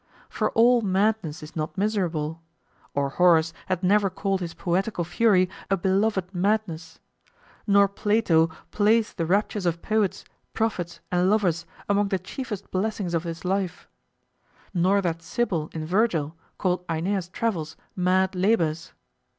For all madness is not miserable, or Horace had never called his poetical fury a beloved madness; nor Plato placed the raptures of poets, prophets, and lovers among the chiefest blessings of this life; nor that sibyl in Virgil called Aeneas' travels mad labors.